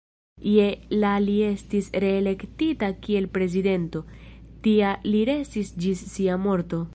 Je la li estis reelektita kiel prezidento; tia li restis ĝis sia morto.